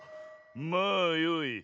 まあよい。